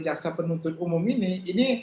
jaksa penuntut umum ini ini